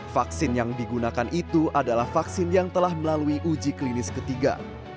vaksin yang digunakan itu adalah vaksin yang telah melalui uji klinis ketiga